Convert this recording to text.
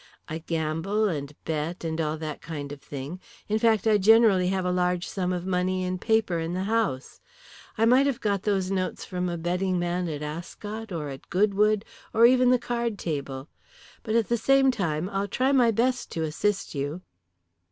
I gamble, and bet, and all that kind of thing, in fact I generally have a large sum of money in paper in the house. I might have got those notes from a betting man at Ascot, or at Goodwood, or even the card table. But at the same time I'll try my best to assist you."